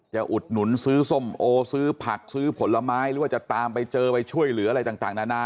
อุดหนุนซื้อส้มโอซื้อผักซื้อผลไม้หรือว่าจะตามไปเจอไปช่วยเหลืออะไรต่างนานา